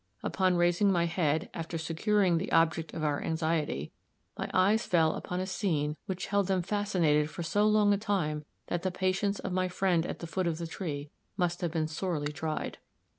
Upon raising my head, after securing the object of our anxiety, my eyes fell upon a scene which held them fascinated for so long a time that the patience of my friend at the foot of the tree must have been sorely tried.